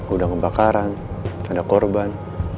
udah kebakaran ada korban